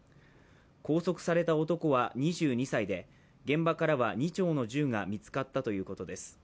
拘束された男は２２歳で現場からは２丁の銃が見つかったということです。